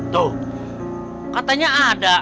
tuh katanya ada